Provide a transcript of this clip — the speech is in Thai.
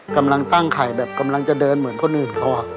กำลังตั้งไข่แบบกำลังจะเดินเหมือนคนอื่นเขา